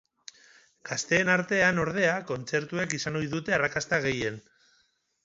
Gazteen artean, ordea, kontzertuek izan ohi dute arrakasta gehien.